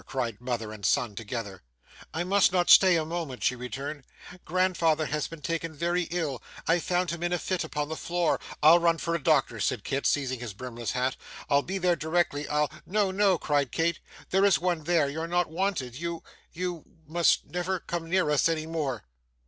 cried mother and son together. 'I must not stay a moment,' she returned, 'grandfather has been taken very ill. I found him in a fit upon the floor ' 'I'll run for a doctor' said Kit, seizing his brimless hat. 'I'll be there directly, I'll ' 'No, no,' cried Nell, 'there is one there, you're not wanted, you you must never come near us any more!